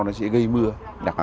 nó sẽ gây mưa